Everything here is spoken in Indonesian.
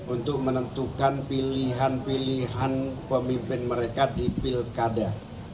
untuk menentukan pilihan pilihan pemimpin mereka di pilkada